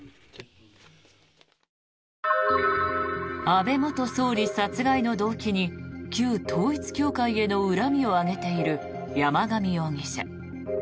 安倍元総理殺害の動機に旧統一教会への恨みを挙げている山上容疑者。